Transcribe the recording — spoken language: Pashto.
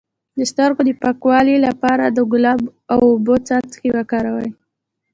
د سترګو د پاکوالي لپاره د ګلاب او اوبو څاڅکي وکاروئ